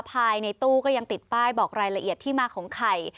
ภายในตู้ก็ยังติดป้ายบอกรายละเอียดที่มาของไข่